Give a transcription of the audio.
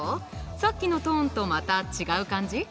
さっきのトーンとまた違う感じ？